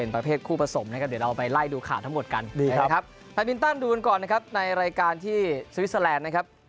แปรดวินตันดูกันก่อนในรายการที่สวิสลันด์